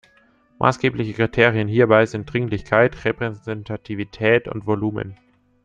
Maßgebliche Kriterien hierbei sind Dringlichkeit, Repräsentativität und Volumen.